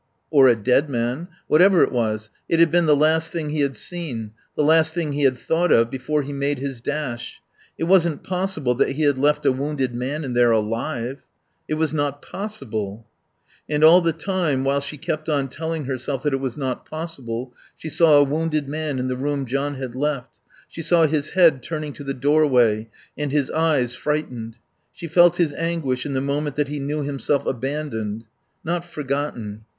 Or a dead man. Whatever it was, it had been the last thing he had seen; the last thing he had thought of before he made his dash. It wasn't possible that he had left a wounded man in there, alive. It was not possible. And all the time while she kept on telling herself that it was not possible she saw a wounded man in the room John had left; she saw his head turning to the doorway, and his eyes, frightened; she felt his anguish in the moment that he knew himself abandoned. Not forgotten.